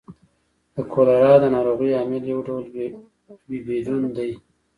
د کولرا د نارغۍ عامل یو ډول ویبریون دی.